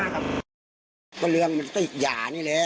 ก็เรื่องมันติดหย่านี่แหละ